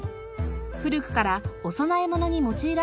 古くからお供え物に用いられてきました。